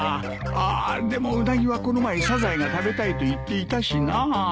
あでもうなぎはこの前サザエが食べたいと言っていたしなあ。